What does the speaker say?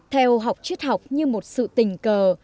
theo học chức học như một sự tình cờ